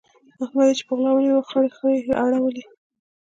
احمد چې يې پر غلا ونيو؛ خړې خړې يې اړولې.